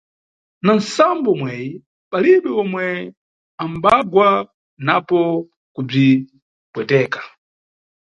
Na nʼsambo umweyi, palibe omwe ambagwa napo kubzipweteka.